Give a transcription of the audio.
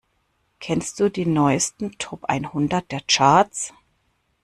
Kennst du die neusten Top einhundert der Charts?